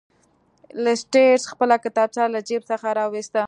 لیسټرډ خپله کتابچه له جیب څخه راویسته.